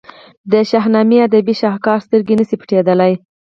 د شاهنامې ادبي شهکار سترګې نه شي پټېدلای.